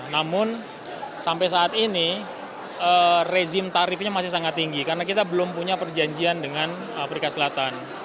namun sampai saat ini rezim tarifnya masih sangat tinggi karena kita belum punya perjanjian dengan afrika selatan